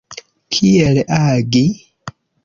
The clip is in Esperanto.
Kiel agi?